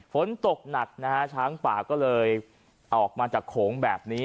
ฝนตกหนักนะฮะช้างป่าก็เลยออกมาจากโขงแบบนี้